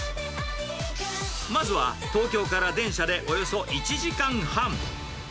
まずは東京から電車でおよそ１時間半。